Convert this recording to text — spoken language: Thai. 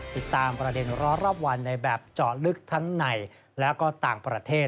ติดตามประเด็นร้อนรอบวันในแบบเจาะลึกทั้งในและก็ต่างประเทศ